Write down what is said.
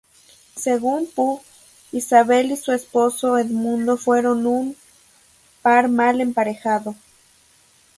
Según Pugh, Isabel y su esposo Edmundo fueron "un par mal emparejado".